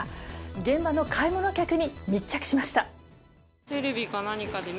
現場の買い物客に密着しました。